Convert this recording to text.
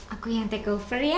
aku yang take over ya